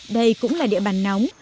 đây cũng là địa bàn nóng